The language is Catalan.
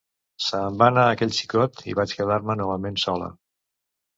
Se'n va anar aquell xicot i vaig quedar-me novament sola.